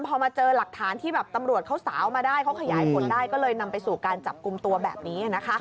พอมาเจอหลักฐานที่แบบตำรวจเขาสาวมาได้เขาขยายผลได้